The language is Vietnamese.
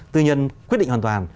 tư nhân quyết định hoàn toàn